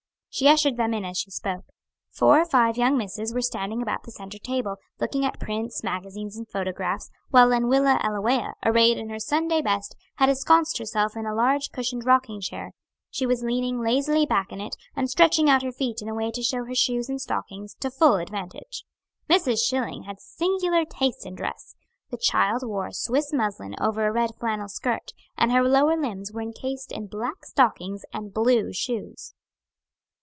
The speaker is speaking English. She ushered them in as she spoke. Four or five young misses were standing about the centre table, looking at prints, magazines, and photographs, while Lenwilla Ellawea, arrayed in her Sunday best, had ensconced herself in a large cushioned rocking chair; she was leaning lazily back in it, and stretching out her feet in a way to show her shoes and stockings to full advantage. Mrs. Schilling had singular taste in dress. The child wore a Swiss muslin over a red flannel skirt, and her lower limbs were encased in black stockings and blue shoes.